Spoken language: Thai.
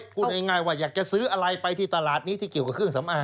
พูดง่ายว่าอยากจะซื้ออะไรไปที่ตลาดนี้ที่เกี่ยวกับเครื่องสำอาง